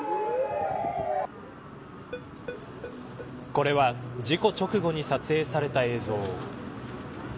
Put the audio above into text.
これは事故直後に撮影された映像。